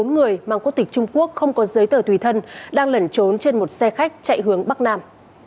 bốn người mang quốc tịch trung quốc không có giấy tờ tùy thân đang lẩn trốn trên một xe khách chạy hướng bắc nam